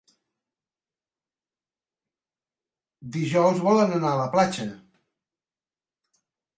Dijous volen anar a la platja.